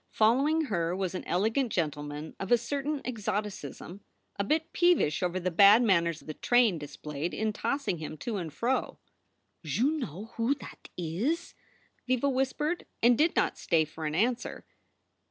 Following her was an elegant gentleman of a certain exoticism, a bit peevish over the bad manners the train displayed in tossing him to and fro. "Joo know who that is?" Viva whispered, and did not stay for an answer.